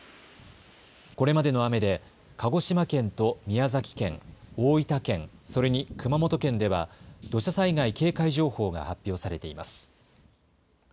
これまでの雨で、鹿児島県と宮崎県、大分県、それに熊本県では土砂災害警戒情報が発表されています。